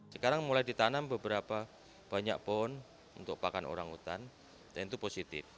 sekarang mulai ditanam beberapa banyak pohon untuk pakan orang hutan dan itu positif